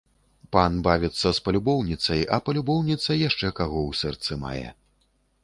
Пан бавіцца з палюбоўніцай, а палюбоўніца яшчэ каго ў сэрцы мае.